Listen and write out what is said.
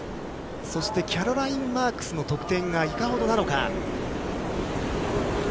そしてキャロライン・マークスの得点がいかほどなのか。